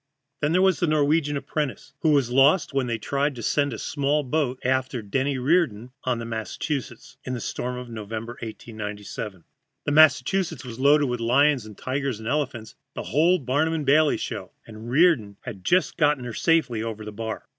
Then there was that Norwegian apprentice, who was lost when they tried to send a small boat after Denny Reardon on the Massachusetts, in the storm of November, 1897. The Massachusetts was loaded with lions, tigers, and elephants the whole Barnum & Bailey show and Reardon had just got her safely over the bar.